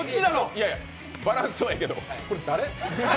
いやや、バランスはいいけどこれ誰？